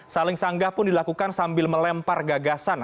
saling sanggah pun dilakukan sambil melempar gagasan